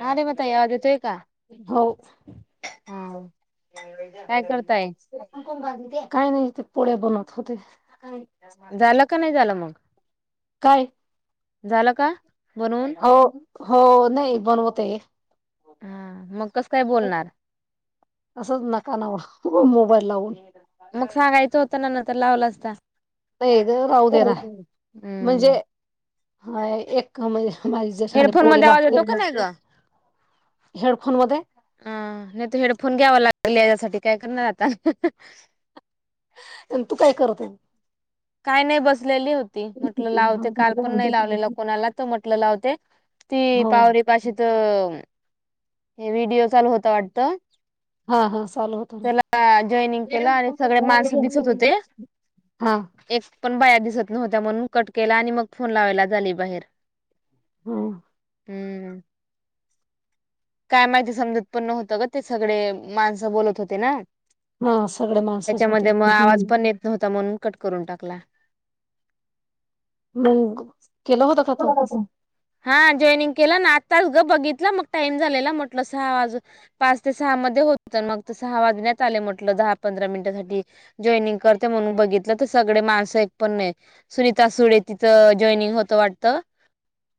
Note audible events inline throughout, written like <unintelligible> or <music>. हा रे मग ताई आवाज येतोय का? हो हा काय करताय? काय नाहीत. पोळ्या बनवत होते. सकाळी झाला का नाही झाला मग काय झाला का? बनवून? हो हो नाही बनवते हा मग कसं काय बोलणार? असचं नका नाओ तु बग मोबाईल लावुन मग सांगायचं होत ना नंतर लावला असता ये गहू राहू दे ना म्हणजे हम्म हा एक म्हणजे माझी जेठाणी हेडफोन पोळी मध्ये आवाज लागते येतो का नाय ग अ हेडफोन मध्ये नाय तर हेड फोन घ्यावा लागल याज्यासाठी काय करणार आता तू काय करत आहे? काय नाय बसलेली होती म्हटलं लावते काल पण नाय लावलेलं कोणाला तू म्हटलं लावते. ती हो पावरीपाशीचं हे व्हिडिओ चालु होता वाटत हा हा चालु होता ना जॉईनिंग केलं आणि सगळे माणसं दिसत होते. हां एक पण बाया दिसत नव्हत्या म्हणुन कट केला. आणि मग फोन लावायला झाली बाहेर हं हम्म काय माहिती समजत पण नव्हतं ग ते सगडे माणसं बोलत होते ना हा हा सगळे माणसच होते. त्याच्यामध्ये म आवाज पण नीट नव्हता म्हणुन कट करून टाकला. मंग केला होत का आता हा जॉईनिंग केलं आताच ग बघितलं मग टाइम झालेला म्हटलं सहा वाजु पाच ते सहा म ध्ये होत मग त सहा वाजण्यात आले म्हटल दहा पंधरा मिनिटासाठी जॉईंनिंग करते म्हणून बघीत त ते सगडे माणसं एक पण नाय सुनीता सुळे तिथ जॉनिंग होत वाटत.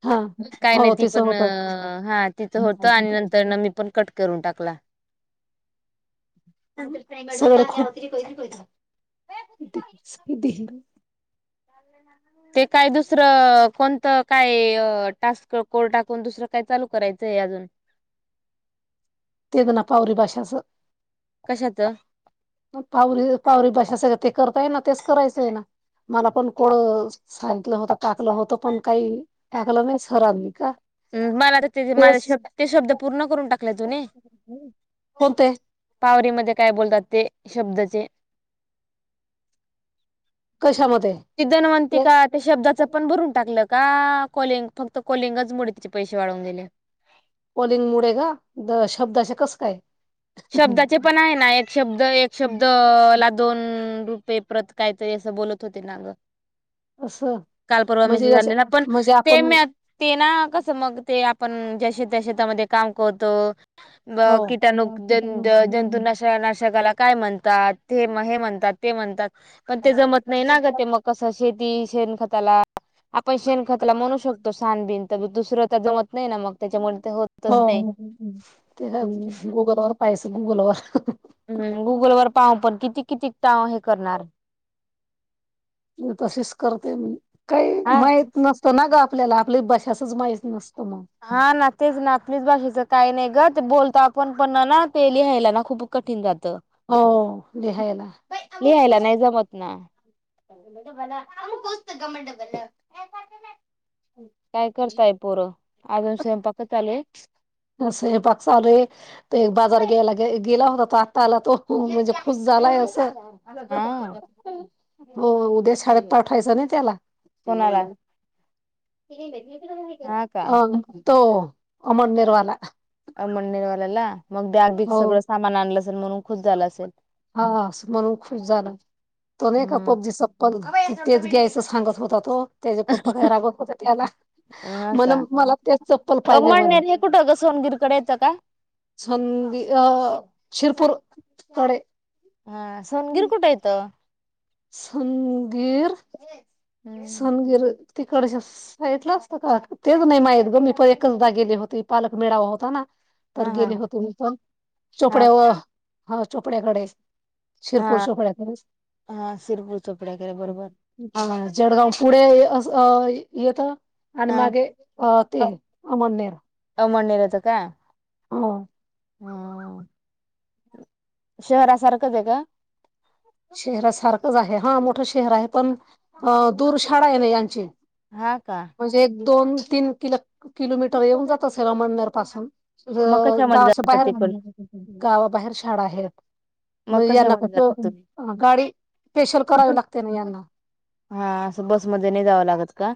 हा काय नाय हो ती तिचं पण म होतं. हा तिचं होत आणि नंतर न मी पण कट करून टाकला. <unintelligible> <unintelligible> ते काय दुसरं कोणतं काय टास्क कोड टाकून दुसरं काय चालू करायचं. चय अजून तेक ना पावरी भाषाचं कशाच? पावरी पावरी भाषा सगळं ते करताय ना तेच करायचं हाय ना? मला पण कोडं सांगितलं होत टाकलं होत पण काय टाकलं नाई सरांनी का. मला तर तेज माझ तेच शब् ते शब्द पूर्ण करून टाकला तू नय कोण ते? म्हणजे काय बोलतात ते शब्दाचे <inaudible> कशामध्ये ती दनवंती का ते शब्दाचं पण भरून टाकलं. का कॉलिंग फक्त कॉलिंगच मुड तिचे पैसे वाढवून दिले. कॉलिंग मुडे ग द शब्दशा कस काय? शब्दाचे पण आहे ना एक शब्द, एक शब्द ला दोन पये प्रत कायतरी असं बोलत होते ना गं. असं कालपरवा म्हणजे मेसेज याच्या आलेला पण म्हणजे ते आपण मॅप ते ना कस मग ते आपण जसे शेतामध्ये काम करतो हो. मग कीटणूक जंत- जंतूनाश-नाशक तेला काय म्हणतात ते म हे म्हणतात पण ते जमत नाही ना ग ते मग कसं शे ती शेण खताला आपण शेणखतला म्हणू शकतो सानबिन तर दुसरं तर जमत नाही ना मग त्याच्यामुळे ते हो होतच नाही. तेला हम्म गोगलगाय पैसे गुगलवर <inaudible> गुगल वर पाहून पण किती किती टा हे करणार म तसेच करते मी काही हा माहित नसत ना ग. आपल्याला आपली बशसच माहीत नसते. हा ना तेच ना आपलीच भाषेच काही नाही ग ते बोलतो आपण पण ना ते लिहायला ना खूप कठीण जात. त हो लिहायला <inaudible> लिहायला नाही जमत ना. <unintelligible> काय करताय पोरं अजून स्वयंपाकच चालू आहे. अ सयपाक चालूये ते एक बाजार ग्यायला गे- गेला होता अता आला तो म्हणजे खुश झा त्याला हे अस <inaudible> हा हो उद्या शाळेत पाठवायचं ना त्याला. ते हे हाय कोणाला ना हा का <inaudible> अ ब तो अमरनेरवाला. अ मंदीरवाल्याला मग बॅग बीग हो सगळं सामान आणलं असेल म्हणून खुस झाला असेल. हा म्हणून खुश झाला. तो नाही का हम्म पबजीचा पब झा तेच घ्यायचं सांगत होता तो. त्याचे पप्पा काही राबवत होते त्याला, हा म्हण का मला तेच चप्पल पाहिजे म्हणे. तेजस मंदिरकडे संधी अ शिरपूर कडे हा सोनगिर कुठ येतो. सुनगीर <inaudible> हम्म सुनगिर तिकडच्या साईटला असतं का तेच नाही माहीत ग मी पण एकचदा गेले होती पालक मिळावा होता ना तर हा हा गेले हा होते मी पण <inaudible> हा चोपड्याव का हा चोपड्याकडे. शिरपूर, हा चोपड्याकढेच हा सिरपूर चोपड्याकडे बरोबर <inaudible> हा जडगाव पुढे असं अ येतं. आणि हा मागे अ ते अमननेर. <inaudible> काय? <inaudible> अ <inaudible> शहरासारखंच आहे का? शहरा सारखंच आहे ह मोठं शहर आहे पण अ दूर शाडा आहे ना यांची. हा का. म्हणजे एक दोन, तीन किल-किलोमीटर येऊन जात असे अमननेर पासून. ज मग कशामध्ये गावच्या जातात बाहेर तिकडनं गावाबाहेर शाडा आहे. मग म्हणजे यांना कशामध्ये जातात कसं तुम्ही गाडी स्पेशल करावी लागते ना यांना. हा असं बसमध्ये नाही जावं लागत का?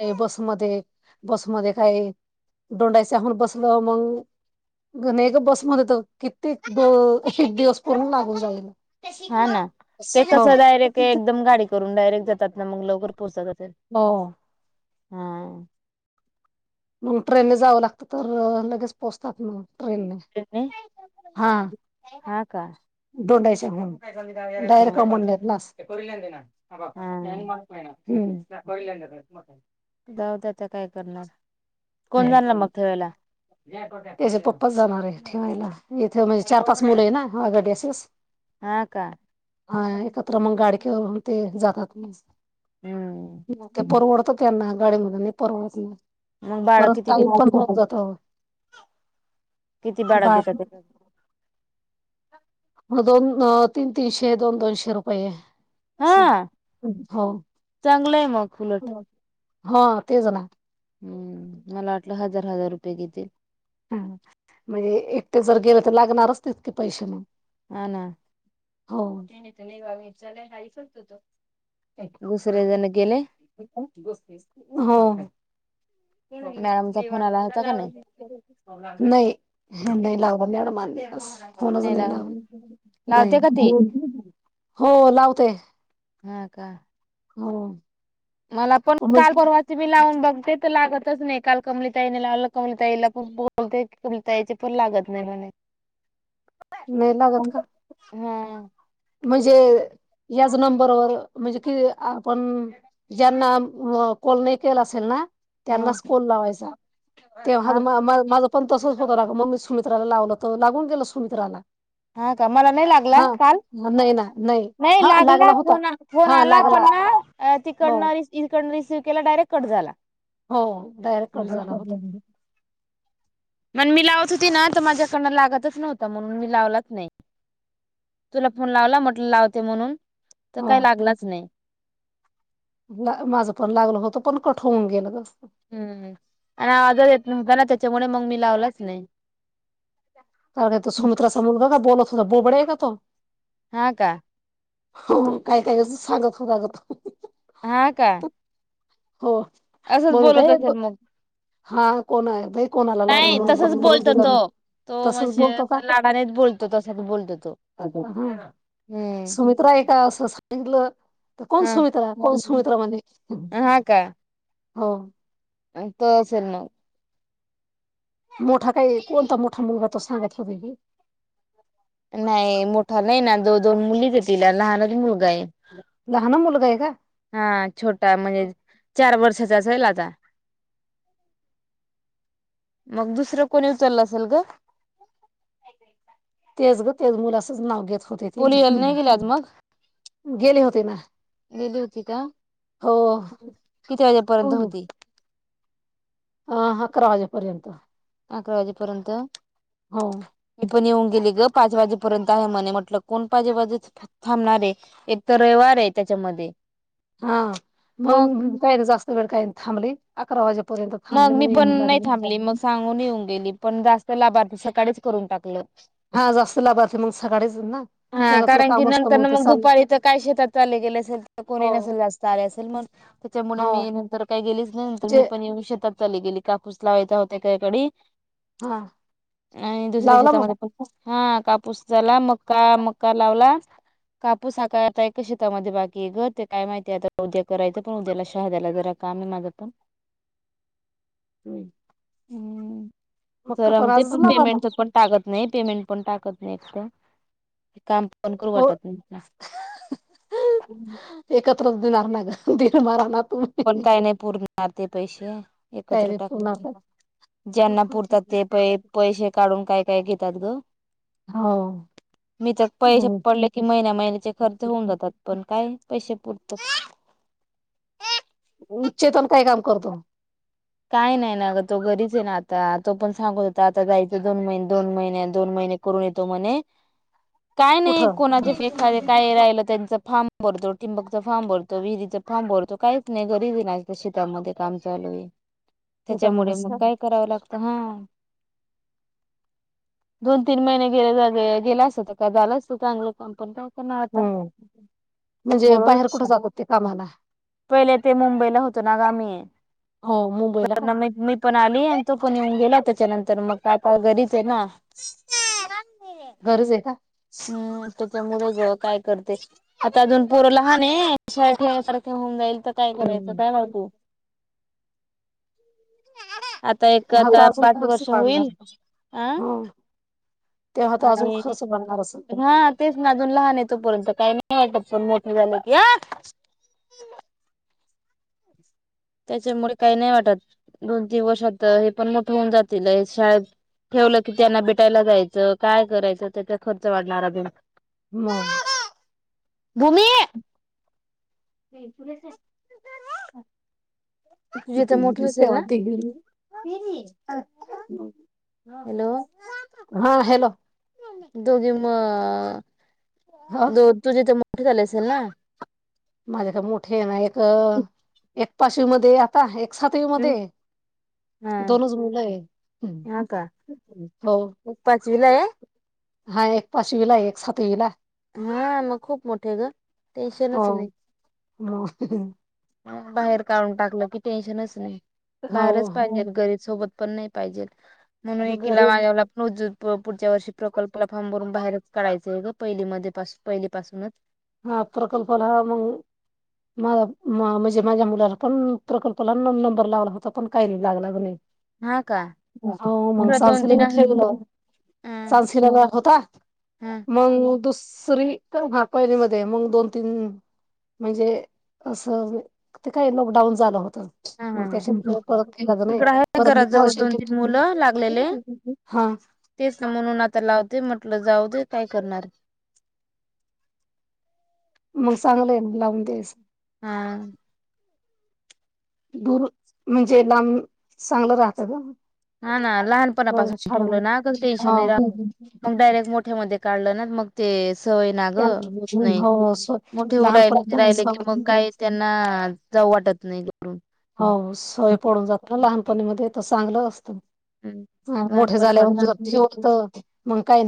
नाही बसमध्ये, बसमध्ये काय डोंडायच्याहून बसलं मंग ग नाही ग बसमध्ये तर कितीक द एक-एक दिवस पूर्ण लागून जाईल. हा ना. ते हो कसं डायरेक्ट एकदम गाडी करून डायरेक्ट जात तात ना मग लवकर पोहोचता का ते. हो हा. ट्रेनने जावं लागत तर लगेच पोहोचतात ना ट्रेननी. ट्रेनने हां. <unintelligible> हा का हं. डायरेक्ट हम्म. अमळनेर लास्ट. हा. <unintelligible> जाऊ द्या आता काय करणार? कोण जाणार मग ठेवायला त्याचे पप्पाच जाणार आहेत. ठेवायला. इथे म्हणजे चार पाच मुलं आहे ना? <unintelligible> हा का? हा. एकत्र मग गाडीकरून ते जातात. हम्म. ते परवड त त्यांना गाडी मध्ये नाही परवडत न. मग भाडं परत किती टाईम घेतात पण खूप जातो. किती भाड बाळ <unintelligible> दोन तीन तीनशे दोन दोनशे रुपये. अस. हा हो चांगलं आहे मग उलट. हो. हा. तेच ना. हम्म. मला वाटलं हजार हजार रुपये घेतील. ह म्हणजे एकटे जर गेलं तर लागणारच तीतके पैसे मग. हा ना. हो दुसरे <unintelligible> <unintelligible> जण गेले हो. <inaudible> मॅडमचा फोन आला होता का नाही. फोनच नाही लावून नाही लावला -नाही. लावते का ती हो लावते. हा का. मला पण, काल मग परवाची बी लावून बघते त लागत च नाही. काल कमलिताईन लावलं कमलिताईला पण बोलते की कमलिताईची पण लागत नाही म्हणे. <inaudible> नाही लागत का? हा जो नंबरवर म्हणजे कि आपण ज्यांना अ कॉल नाही केला असेल ना हा त्यांनाच कॉल लावायचा. ते हा ना मा मा माझं पण तसंच होतो न मग मी सुमित्राला लावलं त लागून गेलं सुमित्राला. हा का? मला नाही लागला हा काल? नाही ना नाही हा लागला होता फोन. फोन हा आला होता लागला ना हो तिकडन, रीसिव्ह, इकडंन रीसिव्ह सीव्ह केला डायरेक् कट झाला. हो डायरेक्ट कट झाला होत मंग मी लावत होती ना तर माझ्याकडनं लागतच- नव्हता. म्हणून मी लावलाच नाही. तुला फोन लावला म्हटल लावते म्हणून- तर काही लागलाच नाही. म माझं पण लागलं होतं पण कट होऊन गेलं गं. हम्म आणि आवाजचं येत नव्हता ना त्याच्यामुळे मग मी लावलाच नाही. कोण हे तो सुमित्रा चा मुलगा का? बोलत सुद्धा बोबड्या हे का तो? हा का? हो. काय काय असचं सांगत होता गं तो. हा का? हो. असंच मंग बोलत काय असेल मग - हा कोण आहे? बाई कोणाला लागला नाही म्हणून कट तसच करून बोलतो दिला तो मी. तो तसच म्हणजे बोलतो का लाडानेच बोलतो. तसंच बोलतो तो. हा हम्म. सुमित्रा आहे का असं सांगितलं तर, कोण हा सुमित्रा? कोण सुमित्रा म्हणे. का. हो. ततो असेल ना. मोठा काय कोणता मोठा मुलगा तो सांगत होती ती नाही मोठा नाही ना दो दोन मुलीच हे तीला लहानच मुलगा हे. लहान मुलगा आहे का हा छोटा म्हणजे चार वर्षाचा असेल आता मग दुसरं कोणी उचललं असेल ग. तेज गं तेज मुला असच नाव घेत. होते ते पोलिओ ल नहीं गेल्या आज मग गेले होते ना. गेली होती का हो किती वाजेपर्यंत होती. हा आकरावाजे पर्यंत अकरा वाजेपर्यंत हो मी पण येऊन गेली गं पाच वाजेपर्यंत आहे म्हणे म्हटलं कोण पाजे वाजे च थ थांबणार हे एक तर रविवार हे त्याचा मध्ये हा मंग कायरे जास्त वेळ काहीनी थांबले अकरा वाजे मग मी पण नाही थांबली मग सांगून येऊन गेली पण जास्त लाभार्थी सकाळीच करून टाकलं. हा जास्त लाभार्थी मंग सकाळीच ना. हा शेतातलं कारण की काम असतं नंतर ना ते मग चाललं दुपारी तर काय शेतात चालले गेले असेल तर हो कोणी नसेल जास्त आले असेल मग त्याच्यामुळे हो मी नंतर काही गेलेच नाही नंतर ते मी पण या विषय त चालली गेली कापुस लावायचा होता काय कडे हा आणि दुसऱ्या लावला मग शेतामध्ये पण हा कापूस झाला मक्का मक्का लावला. कापुस हा काय आता एका शेतामध्ये बाकी गं ते काय माहितीय आता उद्या करायचं पण उद्याला शहाद्याला जरा काम हे माझं पण <unintelligible> हम्म मग चरा म ते आजच पण लावा पेमेंट मग चं पण टाकत. नाही पेमेंट पण टाकत नई इतकं काम. फन करू हो वाटत नी ला. धुनार ना गं धीरे मारा राना पण काय नाही पुरणार ते पैसे काय एकत्र रे टाक. पुन्हा ज्यांना पुरतात ते पै पैसे काढून काय काय घेतात गं. मी तर पैसे हो पडले की महिन्या महिन्याचे खर्च होऊन जातात पण काय? पैशे पुरतस. चेतन काय काम करतो. काय नाही ना गं तो घरीच हे ना आता तो पण सांगत होता आता जायचं दोन महिन दोन महिन्या दोन महिन हेने करुन येतो म्हणे काय नाही कुठं कोणाचे एखादे काय राहिलं त्यांच फार्म भरतो टिंबकचा फार्म भरतो, विहरीच फार्म भरतो काहीच नाही गरजे नाही शेतामध्ये काम चालू शेतामध्ये त्याच्यामुळे मग असतात काय करावं लागत हा. दोन तीन महिने गेले गेला अस होता का झालं असत चांगलं काम पण करणार आता हम् म्हणजे बाहेर कुठे बोलवलं जात होते कामाला पहिले ते मुंबईला होतो ना ग मी हो मुंबईला तर का म मी पण आली. तो पण येऊन गेला त्याच्यानंतर मग आता घरीच आहे ना. गरज आहे का? हम्म त्याच्यामुळे काय करते आता अजून पोरं लहान आहे शाळेत ठेवायसारखे होऊन जाईल. आता काय करायचं हम्म काय वागू. आता एक हा तर आता अजून पाच खर्च वर्ष वाढणार होईल आ ह तेव्हा तर अजून आणि खर्च वाढणार असेल हा तेच ना अजून लहान आहे तोपर्यंत काही नाही. हा आता मोठे झाला की त्याच्यामुळे काही नाही वाटत दोन तीन वर्षात आता हे पण मोठं होऊन जातील शाळेत ठेवलं की त्यांना भेटायला जायचं काय करायचं त्याचा खर्च वाढणार अजून मग. भूमि. ते तुलसा <unintelligible> मोठी असेल ना <unintelligible> हा हॅलो. दोघे मग अ, हो दो तुझे ते मोठे झाले असेल ना. माझे का मोठे ना एक, एक पाचवी मध्ये आता एक सातवी मध्ये हा दोनच मुलं आहेत, हा का हो. मग पाचवीला हाय. हाय. पाचवीला एक सातवीला, हा मग खूप मोठे ग हो. टेन्शनच नाही हो. बाहेर काढून टाकलं की टेन्शनच नाही हो बाहेरच पाहिजे घरी सोबत पण नाही पाहिजेल, म्हणून एकीला गरीब माझ्याला पण उज पुढच्या वर्षी प्रकल्पला फार्म भरून बाहेरच काढायचा आहे ग पहिली मध्ये पहिली पाासूनच. हा प्रकल्पाला मग म म्हणजे माझ्या मुलाला पण प्रकल्पाला नंबर लावला होता पण काही नाही लागलाच नाही. हा का हो मग इकड दोन तीन <unintelligible> आहे ठेवलं. हा <unintelligible> होता, हा मग दुसरीत पहिलीमध्ये मग दोन तीन म्हणजे असं ते काय लॉकडाऊन झालं हो हा मग हा त्याच्या परत केला इकड <unintelligible> आहे घराजवळ दोन तीन हा. ते सम <unintelligible> आता लावते म्हटलं जाऊ दे काय करणार. मग चांगलंय लावून द्यायस. हा. दूर, म्हणजे लांब चांगलं राहतं ग. हा ना एवढं लहानपणापासून झाड हो ठेवलं ना कस टेन्शन नाही राहत मग डायरेक्ट मो ठे मध्ये काढलं ना मग ते सवय ना ग होत नाही हो सोय मोठे उडाय लहानपणी त्यांना राहिले की मग सवय काय त्यांना जाऊ वाटत नाही <unintelligible> हो सवय पडून जात लहान पणीमध्ये चांगल असत, मोठ लहानपणापासून झाल्यावर का <unintelligible>